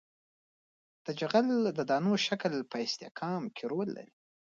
د جغل د دانو شکل په استحکام کې رول لري